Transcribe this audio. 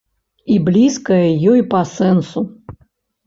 І блізкая ёй па сэнсу.